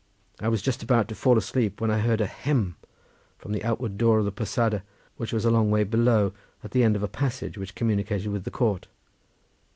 I was just about to fall asleep, when I heard a 'hem' at the outward door of the posada, which was a long way below at the end of a passage which communicated with the court.